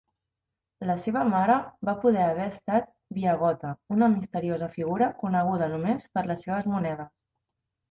La seva mare va poder haver estat Biagota, una misteriosa figura coneguda només per les seves monedes.